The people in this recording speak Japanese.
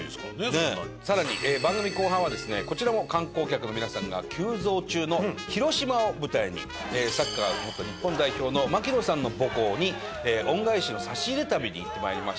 さらに番組後半はですねこちらも観光客の皆さんが急増中の広島を舞台にサッカー元日本代表の槙野さんの母校に恩返しの差し入れ旅に行って参りました。